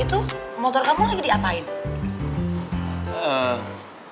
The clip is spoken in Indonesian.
itu motor kamu lagi diapain